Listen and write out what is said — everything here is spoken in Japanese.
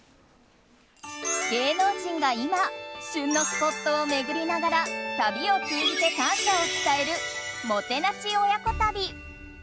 芸能人が今旬のスポットを巡りながら旅を通じて感謝を伝えるもてなし親子旅。